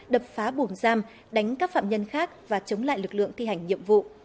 đập phá bùm giam đánh các phạm nhân khác và chống lại lực lượng thi hành nhiệm vụ